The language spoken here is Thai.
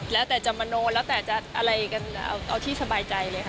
แล้วแต่จะมโนแล้วแต่จะอะไรกันเอาที่สบายใจเลยค่ะ